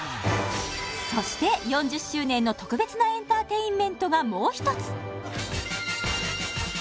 そして４０周年の特別なエンターテインメントがもう一つ